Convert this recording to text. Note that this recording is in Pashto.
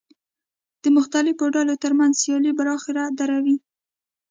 د مختلفو ډلو ترمنځ سیالۍ بالاخره دروي.